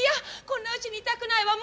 こんなうちにいたくないわ。